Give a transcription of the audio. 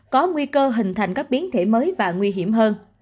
có nguy cơ hình thành các biến thể mới và nguy hiểm hơn